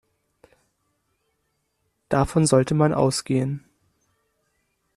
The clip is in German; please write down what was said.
Davon sollte man ausgehen.